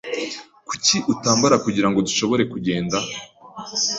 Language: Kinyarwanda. Kuki utambara kugirango dushobore kugenda?